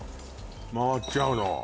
回っちゃうの？